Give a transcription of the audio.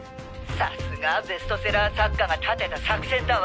さすがベストセラー作家が立てた作戦だわ！